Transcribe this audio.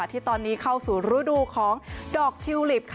ที่ตอนนี้เข้าสู่ฤดูของดอกทิวลิปค่ะ